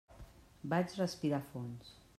Vaig respirar a fons.